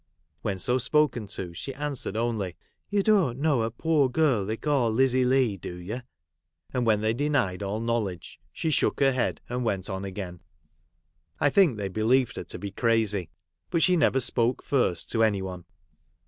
When so spoken to, she answered only, 'You don't know a poor girl they call Lizzie Leigh, do you ?' and when they denied all knowledge, she shook her head, and went on again. I think they believed her to be crazy. But she never spoke first to any one.